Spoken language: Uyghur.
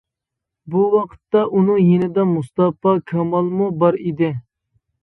بۇ ۋاقىتتا ئۇنىڭ يېنىدا مۇستاپا كامالمۇ بار ئىدى.